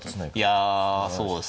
いやそうですね。